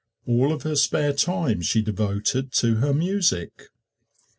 All of her spare time she devoted to her music.